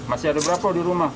masih ada berapa di rumah